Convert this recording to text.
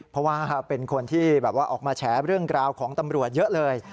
เพราะว่าเป็นคนที่แบบว่าออกมาแฉเรื่องกล่าวของตำรวจเยอะเลย